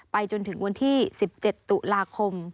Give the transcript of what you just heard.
จนถึงวันที่๑๗ตุลาคม